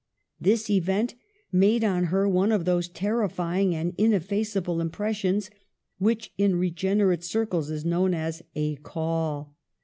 This event made on her one of those terrifying and ineffaceable impressions which in regenerate cir cles is known as "a call."